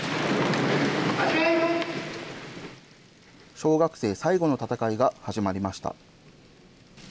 小学生最後の戦いが始まりました。